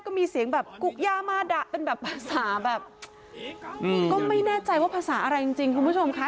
ก็ไม่แน่ใจว่าภาษาอะไรจริงคุณผู้ชมค่ะ